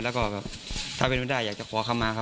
แล้วก็แบบถ้าเป็นไปได้อยากจะขอคำมาครับ